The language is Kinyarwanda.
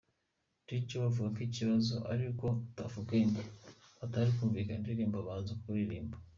Dj we avuga ko ikibazo ari uko Tuff Gang batari bumvikanye indirimbo baza kuririmba….